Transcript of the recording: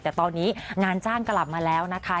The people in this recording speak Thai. แต่ตอนนี้งานจ้างกลับมาแล้วนะคะ